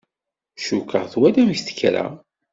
Cukkeɣ twalamt kra.